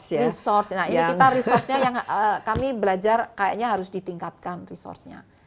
nah ini kita resursnya yang kami belajar kayaknya harus ditingkatkan resursnya